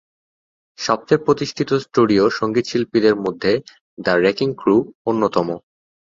সবচেয়ে প্রতিষ্ঠিত স্টুডিও সঙ্গীতশিল্পীদের মধ্যে দ্য রেকিং ক্রু অন্যতম।